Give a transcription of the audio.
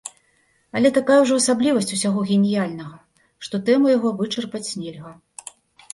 Але такая ўжо асаблівасць усяго геніяльнага, што тэму яго вычарпаць нельга.